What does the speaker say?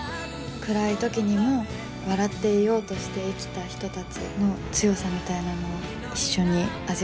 暗い時にも笑っていようとして生きた人たちの強さみたいなものを一緒に味わっていただけたらうれしいなと。